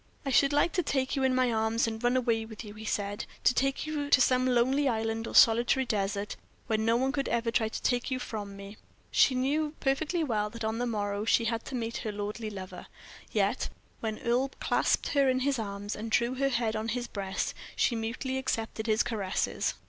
"I should like to take you in my arms and run away with you," he said; "to take you to some lonely island or solitary desert, where no one could ever try to take you from me." She knew perfectly well that on the morrow she had to meet her lordly lover, yet, when Earle clasped her in his arms, and drew her head on his breast, she mutely accepted his caresses.